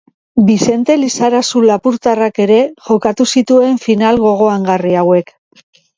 Bixente Lizarazu lapurtarrak ere jokatu zituen final gogoangarri hauek.